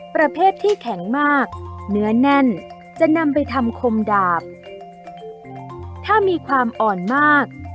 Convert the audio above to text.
ประเภทที่แข็งมากเนื้อแน่นจะนำไปทำคมดาบถ้ามีความอ่อนมาก